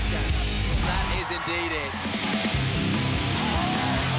สวัสดีครับ